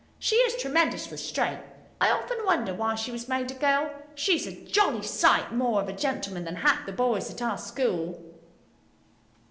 She is tremendously straight. I often wonder why she was made a girl. She's a jolly sight more of a gentleman than half the boys at our school.